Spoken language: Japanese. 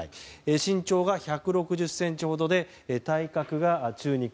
身長が１６０ｃｍほどで体格が中肉。